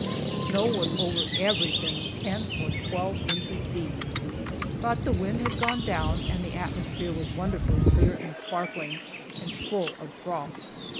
Snow was over everything ten or twelve inches deep. But the wind had gone down and the atmosphere was wonderfully clear, and sparkling, and full of frost.